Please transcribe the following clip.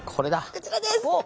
こちらです！